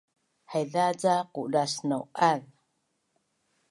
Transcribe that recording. Haiza ca qudasnau’az